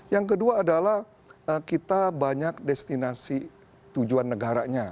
yang kedua adalah kita banyak destinasi tujuan negaranya